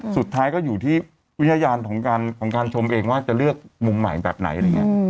สุดท้ายก็อยู่ที่วิทยาลของการชมเองว่าจะเลือกมุมใหม่แบบไหนอะไรอย่างนี้